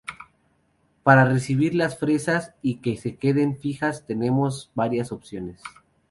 Para recubrir las fresas, y que se queden fijas, tenemos varias opciones.